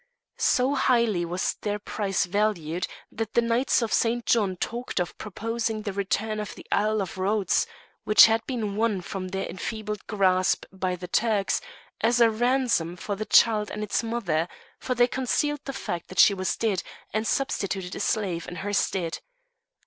So highly was their prize valued, that the Knights of St. John talked of proposing the return of the Isle of Rhodes, which had been won from their enfeebled grasp by the Turks, as a ransom for the child and its mother; for they concealed the fact that she was dead, and substituted a slave in her stead.